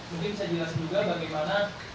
mungkin bisa jelas juga bagaimana